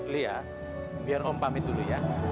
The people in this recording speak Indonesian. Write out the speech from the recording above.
lihat biar om pamit dulu ya